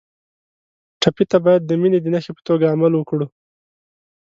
ټپي ته باید د مینې د نښې په توګه عمل وکړو.